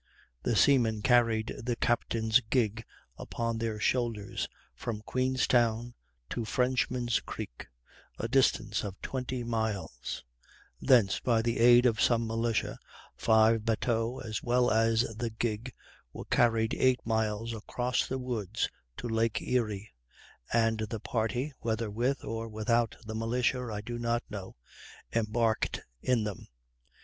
The seamen carried the captain's gig upon their shoulders from Queenstown to Frenchman's Creek, a distance of 20 miles; thence, by the aid of some militia, 5 batteaux as well as the gig were carried 8 miles across the woods to Lake Erie, and the party (whether with or without the militia I do not know) embarked in them.